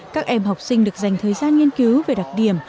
các em học sinh được dành thời gian nghiên cứu về đặc điểm